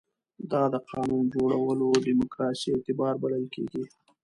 دا د قانون جوړولو دیموکراسي اعتبار بلل کېږي.